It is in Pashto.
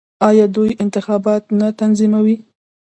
آیا دوی انتخابات نه تنظیموي؟